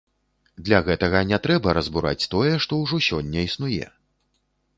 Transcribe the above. Для гэтага не трэба разбураць тое, што ўжо сёння існуе.